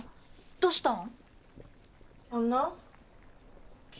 どうしたん？